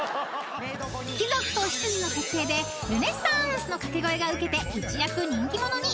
［貴族と執事の設定で「ルネッサーンス」の掛け声がウケて一躍人気者に］